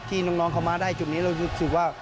ที่น้องเขามาได้จุดนี้เรารู้สึกว่า